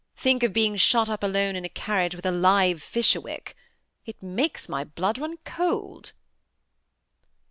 Think of being shut up alone in a car riage with a live Fisherwick ! It makes my blood run cold."